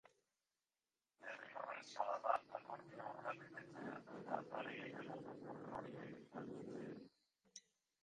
Derrigorrezkoa da akordio hura betetzea eta, are gehiago, kopuru horiek handitzea.